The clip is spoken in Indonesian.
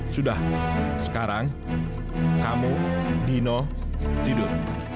sudah sekarang kamu dino tidur